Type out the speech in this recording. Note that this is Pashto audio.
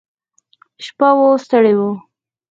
شپه وه ستړي وو.